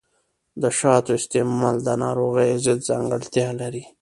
د شاتو استعمال د ناروغیو ضد ځانګړتیا لري.